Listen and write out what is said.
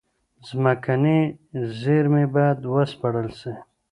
ځمکني زېرمي بايد و سپړل سي.